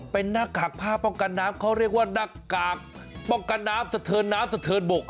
เป็นหน้ากากผ้าป้องกันน้ำเขาเรียกว่าหน้ากากป้องกันน้ำสะเทินน้ำสะเทินบก